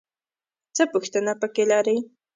څه پوښتنه پکې لرې؟